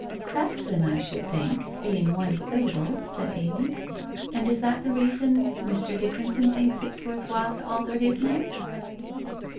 ' Saxon, I should think — being one syllable,' said Amy. 1 And is that the reason Mr. Dickinson thinks it worth while to alter his name?'